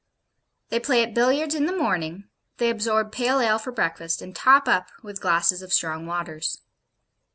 They play at billiards in the morning, they absorb pale ale for breakfast, and 'top up' with glasses of strong waters.